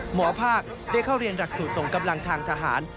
หมอภาคได้เข้าเรียนหลักสูตรส่งกำลังทางทหาร